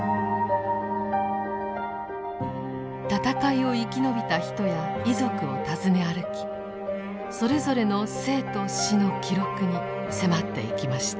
戦いを生き延びた人や遺族を訪ね歩きそれぞれの生と死の記録に迫っていきました。